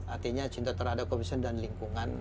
artinya cinta terhadap komisioner dan lingkungan